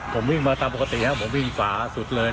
ผมวิ่งมาตามปกติครับผมวิ่งฝาสุดเลย